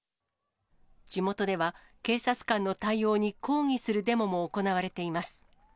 地元では、警察官の対応に抗議するデモも行われています。